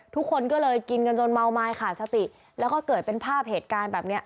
ทุกคนก็เลยกินกันจนเมาไม้ขาดสติแล้วก็เกิดเป็นภาพเหตุการณ์แบบนี้